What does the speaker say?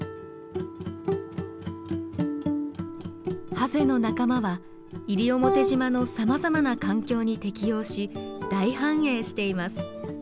ハゼの仲間は西表島のさまざまな環境に適応し大繁栄しています。